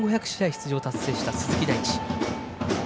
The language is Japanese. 出場達成した鈴木大地。